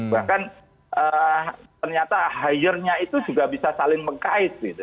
bahkan ternyata hire nya itu juga bisa saling mengkait gitu